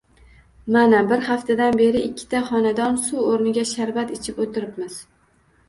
Mana, bir haftadan beri ikkita xonadon suv oʻrniga sharbat ichib oʻtiribmiz!..